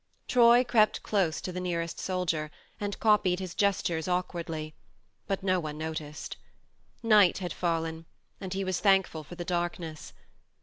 Troy crept close to the nearest soldier, and copied his gestures awkwardly but no one noticed. Night had fallen, and he was thankful for the darkness.